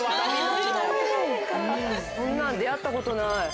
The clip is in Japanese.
こんなん出合ったことない。